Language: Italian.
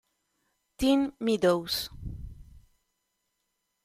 Tim Meadows